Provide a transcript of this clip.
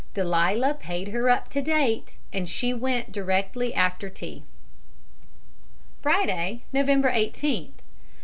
Delia paid her up to date, and she went directly after tea. "_Friday, November 18th.